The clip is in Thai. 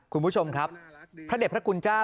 คุณผู้ชมครับพระเด็จพระคุณเจ้า